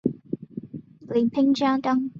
雷沛家当主派出使者调查原因。